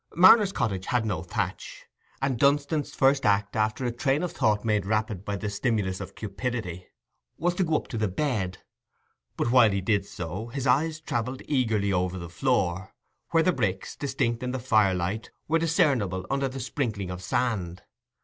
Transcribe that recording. Marner's cottage had no thatch; and Dunstan's first act, after a train of thought made rapid by the stimulus of cupidity, was to go up to the bed; but while he did so, his eyes travelled eagerly over the floor, where the bricks, distinct in the fire light, were discernible under the sprinkling of sand.